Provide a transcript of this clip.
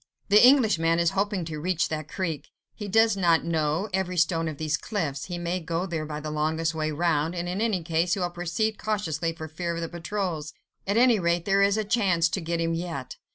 "The Englishman is hoping to reach that creek. He does not know every stone of these cliffs, he may go there by the longest way round, and in any case he will proceed cautiously for fear of the patrols. At any rate, there is a chance to get him yet.